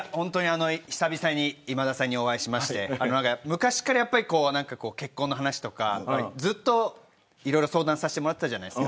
久々に今田さんにお会いしまして昔から結婚の話とかずっと相談させてもらってたじゃないですか。